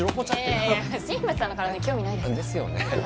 いやいや新町さんの体に興味ないですからですよね